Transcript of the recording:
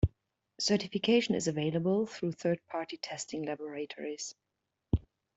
Certification is available through third party testing laboratories.